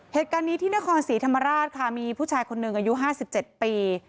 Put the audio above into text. เหตุการณ์นี้ที่นครศรีธรรมราชค่ะมีผู้ชายคนหนึ่งอายุ๕๗ปี